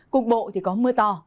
cục bộ thì có mưa to